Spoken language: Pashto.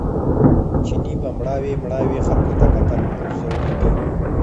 چیني به مړاوي مړاوي خلکو ته کتل او ځورېده.